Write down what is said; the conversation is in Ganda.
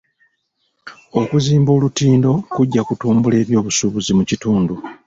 Okuzimba olutindo kujja kutumbula ebyobusuubuzi mu kitundu.